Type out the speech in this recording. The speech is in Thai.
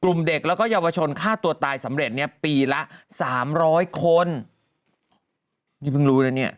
กลุ่มเด็กและเยาวชนฆ่าตัวตายสำเร็จปีละ๓๐๐คน